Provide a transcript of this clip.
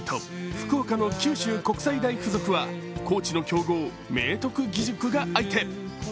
８福岡の九州国際大付属は高知の強豪・明徳義塾が相手。